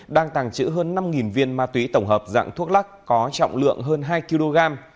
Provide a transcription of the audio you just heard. đang tàng trữ hơn năm viên ma túy tổng hợp dạng thuốc lắc có trọng lượng hơn hai kg